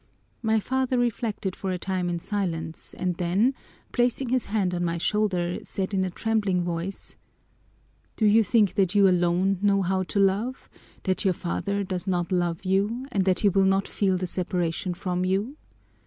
My father reflected for a time in silence and then, placing his hand on my shoulder, said in a trembling voice, 'Do you think that you alone know how to love, that your father does not love you, and that he will not feel the separation from you?